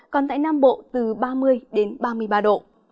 còn tại nam bộ từ ba mươi đến ba mươi ba độ